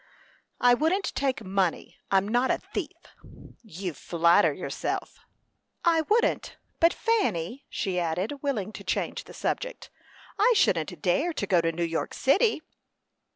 "I wouldn't take money. I'm not a thief." "You flatter yourself." "I wouldn't. But, Fanny," she added, willing to change the subject, "I shouldn't dare to go to New York city."